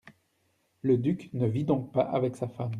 Le duc ne vit donc pas avec sa femme ?